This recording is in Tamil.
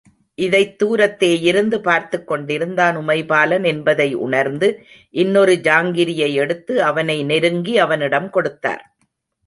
இதைத் தூரத்தேயிருந்து பார்த்துக்கொண்டிருந் தான் உமைபாலன் என்பதை உணர்ந்து, இன்னொரு ஜாங்கிரியை எடுத்து, அவனை நெருங்கி, அவனிடம் கொடுத்தார்.